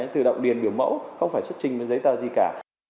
tự động điền biểu mẫu không phải xuất trình giấy tờ gì cả